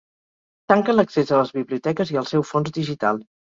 Tanquen l'accés a les biblioteques i al seu fons digital